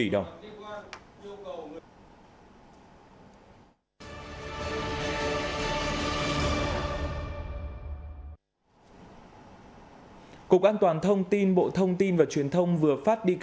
do nhu cầu công việc